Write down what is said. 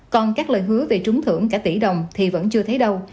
còn các lời hứa về trúng thưởng cả tỷ đồng thì vẫn chưa thấy đâu